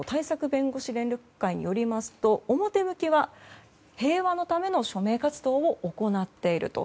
弁護士連絡会によると表向きは平和のための署名活動を行っていると。